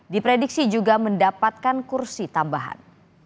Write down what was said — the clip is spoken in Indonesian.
diprediksi juga mendapatkan kursi tambahan